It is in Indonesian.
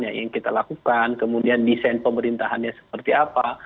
yang kita lakukan kemudian desain pemerintahannya seperti apa